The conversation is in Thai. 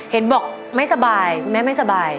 เห็นบอกไม่สบายแม่ไม่สบาย